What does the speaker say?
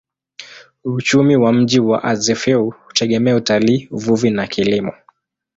Uchumi wa mji wa Azeffou hutegemea utalii, uvuvi na kilimo.